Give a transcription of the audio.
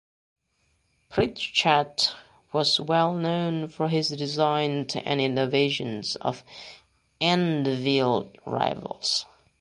Pritchett was well known for his designs and innovations of Enfield rifles.